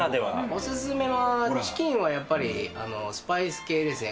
お勧めは、チキンはやっぱり、スパイス系ですね。